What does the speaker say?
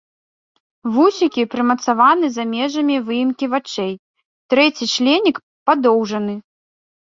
Вусікі прымацаваны за межамі выемкі вачэй, трэці членік падоўжаны.